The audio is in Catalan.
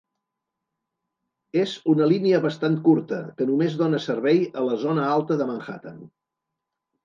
És una línia bastant curta, que només dona servei a la zona alta de Manhattan.